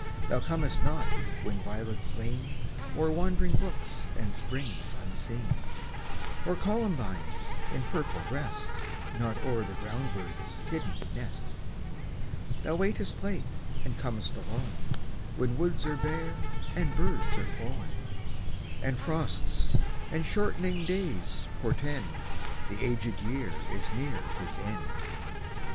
Thou comest not when violets lean O'er wandering brooks and springs unseen, Or columbines, in purple dressed, Nod o'er the ground bird's hidden nest. Thou waitest late and com'st alone, When woods are bare and birds are flown, And frosts and shortening days portend The aged year is near his end.